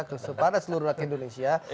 kepada seluruh rakyat indonesia